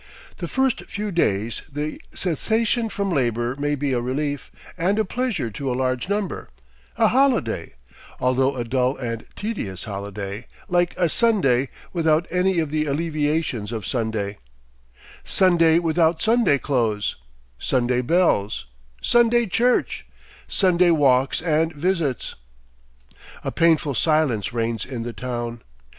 The first few days, the cessation from labor may be a relief and a pleasure to a large number a holiday, although a dull and tedious holiday, like a Sunday without any of the alleviations of Sunday Sunday without Sunday clothes, Sunday bells, Sunday church, Sunday walks and visits. A painful silence reigns in the town.